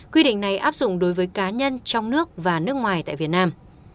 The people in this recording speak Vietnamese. quy định này áp dụng đối với cá nhân trong nước và nước ngoài tại việt nam